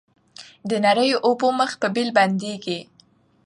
د نریو اوبو مخ په بېل بندیږي